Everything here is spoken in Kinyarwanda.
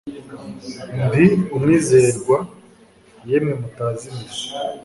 Ndi umwizerwa Yemwe mutazi imizi